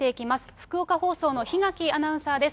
福岡放送の檜垣アナウンサーです。